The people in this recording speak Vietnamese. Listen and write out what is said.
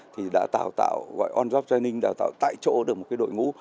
thì đã tạo tạo gọi on drop training đã tạo tại chỗ được một đội ngũ